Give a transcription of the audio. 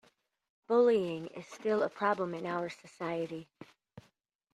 Bullying is still a problem in our society.